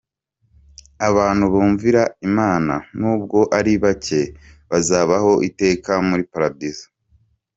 Abantu bumvira imana, nubwo ari bake, bazabaho iteka muli Paradizo.